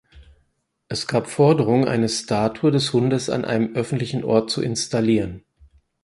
Es gab Forderungen eine Statue des Hundes an einem öffentlichen Ort zu installieren.